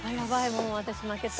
もう私負けた。